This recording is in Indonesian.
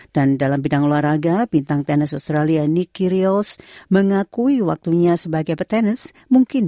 dan dalam bidang luar raga bintang tenis australia nikki rios mengakui waktunya sebagai petenis mungkin